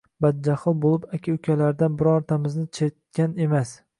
Badjahl bo‘lib aka-ukalardan birontamizni chertgan emas.